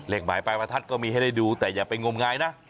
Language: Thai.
เลขหมายประตัดก็มีให้ให้ดูแต่อย่าไปง่มงายนะ